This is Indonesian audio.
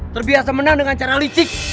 terbiasa menang dengan cara licik